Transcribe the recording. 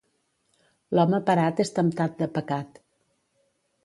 L'home parat és temptat de pecat.